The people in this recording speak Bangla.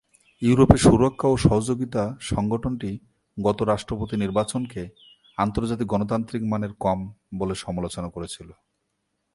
ইউরোপে সুরক্ষা ও সহযোগিতা সংগঠনটি গত রাষ্ট্রপতি নির্বাচনকে আন্তর্জাতিক গণতান্ত্রিক মানের কম বলে সমালোচনা করেছিল।